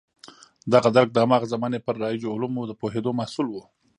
دغه درک د هماغه زمانې پر رایجو علومو د پوهېدو محصول و.